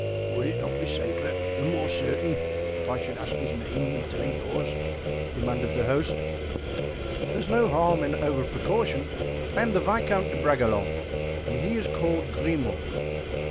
"Would it not be safer and more certain if I should ask him his name and tell him yours?" demanded the host. "There is no harm in over precaution. I am the Viscount de Bragelonne and he is called Grimaud."